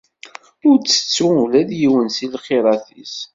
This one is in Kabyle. Ur ttettu ula d yiwen si lxirat-is!